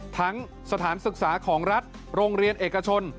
สถานศึกษาของรัฐโรงเรียนเอกชน